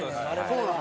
そうなの？